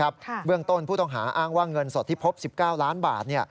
เบื้องต้นผู้ต้องหาอ้างว่าเงินสดที่พบ๑๙ล้านบาท